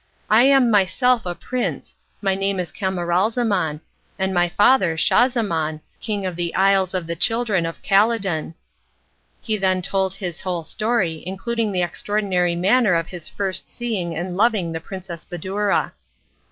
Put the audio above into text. I am myself a prince, my name is Camaralzaman, and my father is Schahzaman, King of the Isles of the Children of Khaledan." He then told his whole history, including the extraordinary manner of his first seeing and loving the Princess Badoura.